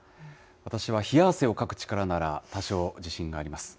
私は冷や汗をかく力なら多少、自信があります。